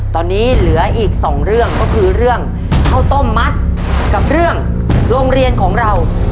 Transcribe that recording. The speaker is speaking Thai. ตอนนี้เหลืออีกสองเรื่องก็คือเรื่องข้าวต้มมัดกับเรื่องโรงเรียนของเรา